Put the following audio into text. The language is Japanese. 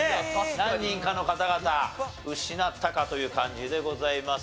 何人かの方々失ったかという感じでございます。